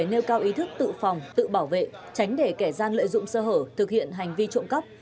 nêu cao ý thức tự phòng tự bảo vệ tránh để kẻ gian lợi dụng sơ hở thực hiện hành vi trộm cắp